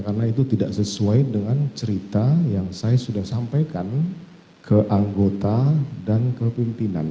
karena itu tidak sesuai dengan cerita yang saya sudah sampaikan ke anggota dan kepimpinan